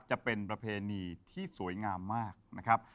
จะเป็นประเพณีที่สวยงามมากนะครับ